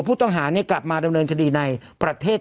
ผู้ต้องหากลับมาดำเนินคดีในประเทศ